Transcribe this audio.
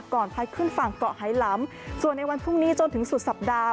พัดขึ้นฝั่งเกาะไฮล้ำส่วนในวันพรุ่งนี้จนถึงสุดสัปดาห์